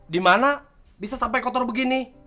di mana bisa sampai kotor begini